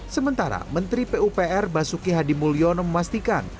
sementara menteri pupr basuki hadi mulyono memastikan